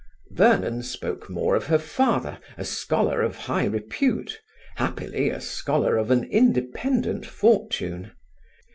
Vernon spoke more of her father, a scholar of high repute; happily, a scholar of an independent fortune.